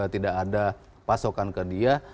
tidak ada pasokan ke dia